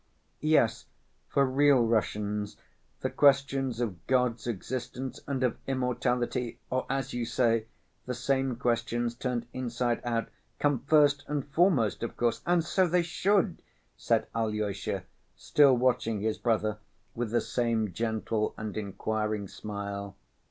"Yes, for real Russians the questions of God's existence and of immortality, or, as you say, the same questions turned inside out, come first and foremost, of course, and so they should," said Alyosha, still watching his brother with the same gentle and inquiring smile.